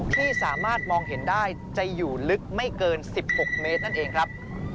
ที่สามารถมองเห็นได้จะอยู่ลึกไม่เกิน๑๖เมตรนั่นเองครับ